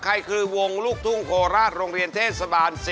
ใครคือวงลูกทุ่งโคราชโรงเรียนเทศบาล๔